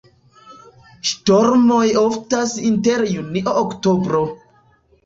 Ŝtormoj oftas inter junio-oktobro.